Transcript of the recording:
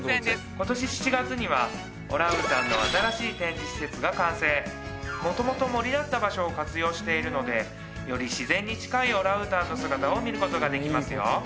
今年７月にはオランウータンの新しい展示施設が完成元々森だった場所を活用しているのでより自然に近いオランウータンの姿を見ることができますよ